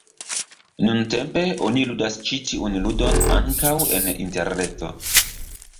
Nuntempe oni ludas ĉi tiun ludon ankaŭ en interreto.